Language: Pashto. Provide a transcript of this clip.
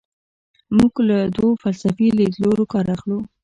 موږ له دوو فلسفي لیدلورو کار اخلو.